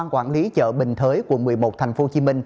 quản lý chợ bình thới quận một mươi một tp hcm